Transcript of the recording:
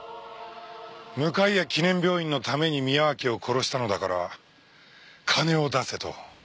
向谷記念病院のために宮脇を殺したのだから金を出せと。